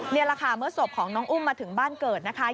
นี่แหละค่ะเมื่อศพของน้องอุ้มมาถึงบ้านเกิดนะคะ